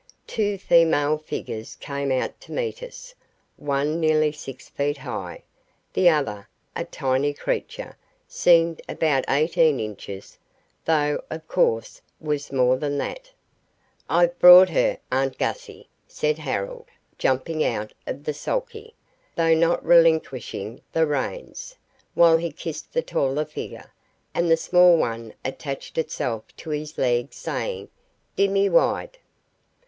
Two female figures came out to meet us one nearly six feet high, the other, a tiny creature, seemed about eighteen inches, though, of course, was more than that. "I've brought her, aunt Gussie," said Harold, jumping out of the sulky, though not relinquishing the reins, while he kissed the taller figure, and the small one attached itself to his leg saying, "Dimme wide."